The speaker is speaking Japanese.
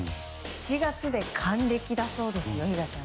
７月で還暦だそうですよ